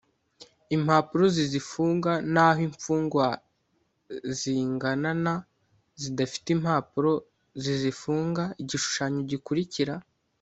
impapuro zizifunga naho imfungwa zingana na zidafite impapuro zizifunga Igishushanyo gikurikira